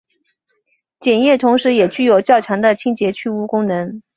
碱液同时也具有较强的清洁去污功能。